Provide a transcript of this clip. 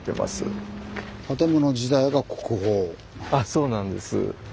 そうなんです。